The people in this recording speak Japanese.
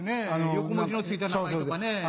横文字の付いた名前とかね。